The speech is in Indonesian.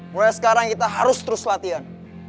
mulai sekarang kita harus terus latihan